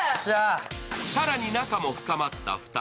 更に仲も深まった２人。